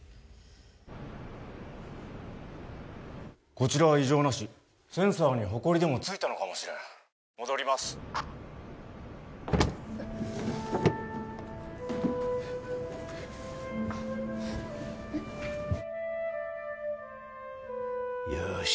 こちらは異常なしセンサーにホコリでも付いたのかもしれん戻りますよーし